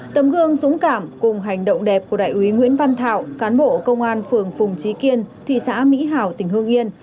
tấm gương dũng cảm cùng hành động đẹp của đại úy nguyễn văn thảo cán bộ công an phường phùng trí kiên thị xã mỹ hào tỉnh hương yên